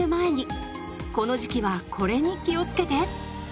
この時期はこれに気をつけて。